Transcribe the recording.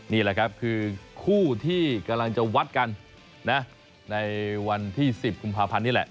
นี่แหละครับคือคู่ที่กำลังจะวัดกันนะในวันที่๑๐กุมภาพันธ์นี่แหละ